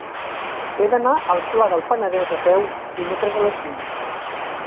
He d'anar al Pla del Penedès a peu dimecres a les cinc.